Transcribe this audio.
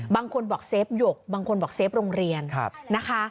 บางคนบอกเซฟหยกบางคนบอกเซฟโรงเรียนนะคะ